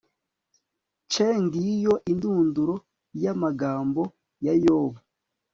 cngiyo indunduro y'amagambo ya yobu